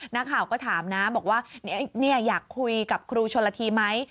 นักข่าวก็ถามนะบอกว่าอยากคุยกับครูชนละทีไหม